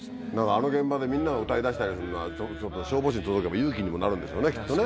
あの現場でみんなが歌い出したりするのは消防士に届けば勇気にもなるんでしょうねきっとね。